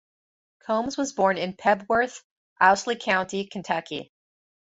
Combs was born in Pebworth, Owsley County, Kentucky.